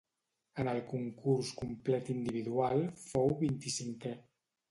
En el concurs complet individual fou vint-i-cinquè.